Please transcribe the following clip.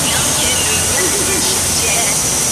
乙酸的一些性质如下所述。